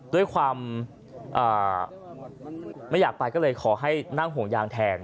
ด้วยความไม่อยากไปก็เลยขอให้นั่งห่วงยางแทน